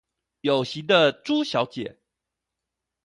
有型的豬小姐